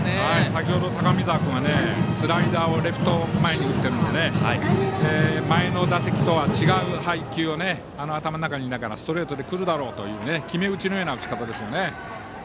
先程、高見澤君はスライダーをレフト前に打っているので前の打席とは違う配球を頭の中に入れながらストレートで来るだろうという決め打ちのような打ち方ですね。